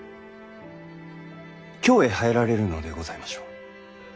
京へ入られるのでございましょう？